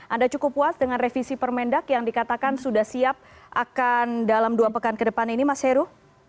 anda cukup puas dengan revisi permendak yang dikatakan sudah siap akan dalam dua pekan ke depan ini mas heru